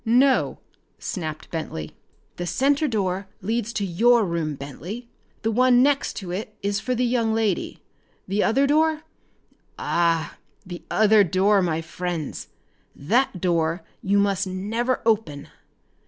"No!" snapped Bentley. "That center door leads to your room, Bentley. The one next to it is for the young lady. The other door? Ah, the other door my friends! That door you must never open.